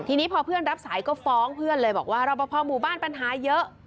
ทีนี้พอเพื่อนรับสายก็ฟ้องเพื่อนเลยบอกว่ารอปภหมู่บ้านปัญหาเยอะ